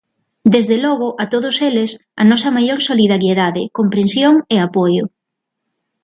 Desde logo, a todos eles, a nosa maior solidariedade, comprensión e apoio.